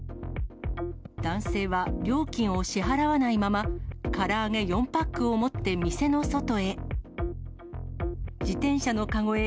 男性は料金を支払わないまま、から揚げ４パックを持って店の外へ。